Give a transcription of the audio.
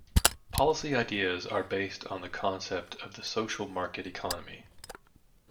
Policy ideas are based on the concept of the social market economy.